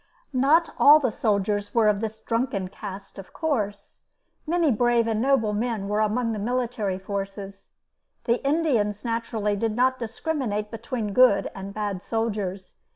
Not all the soldiers were of this drunken cast, of course. Many brave and noble men were among the military forces. The Indians, naturally, did not discriminate between good and bad soldiers.